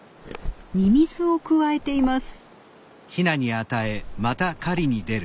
ミミズをくわえています。